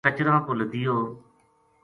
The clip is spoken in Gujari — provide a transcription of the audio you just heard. کچراں پو لدیو